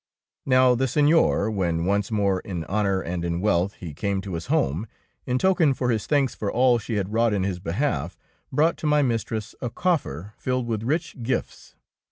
Now the Seigneur, when once more in honour and in wealth he came to his home, in token for his thanks for all she had wrought in his behalf, brought to my mistress a coffer filled with rich gifts.